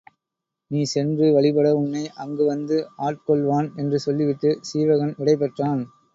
நீ சென்று வழிபடு உன்னை அங்கு வந்து ஆட் கொள்வான் என்று சொல்லிவிட்டுச் சீவகன் விடை பெற்றான்.